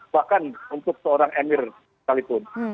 bahkan untuk seorang emir sekalipun